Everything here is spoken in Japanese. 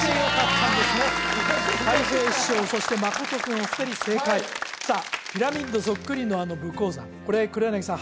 たい平師匠そして真君お二人正解さあピラミッドそっくりのあの武甲山これ黒柳さん